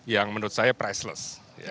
yang menurut saya priceless